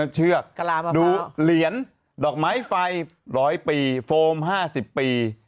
เชือกดูเหรียญดอกไม้ไฟ๑๐๐ปีโฟม๕๐ปี